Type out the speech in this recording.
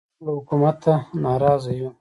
موږ له حکومته نارازه یو